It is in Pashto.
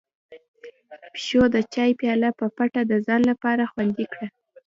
پيشو د چای پياله په پټه د ځان لپاره خوندي کړه.